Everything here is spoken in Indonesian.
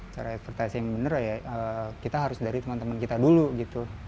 cara advertising bener ya kita harus dari teman teman kita dulu gitu